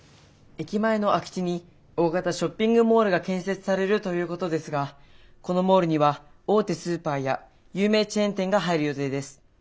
駅前の空き地に大型ショッピングモールが建設されるということですがこのモールには大手スーパーや有名チェーン店が入る予定です。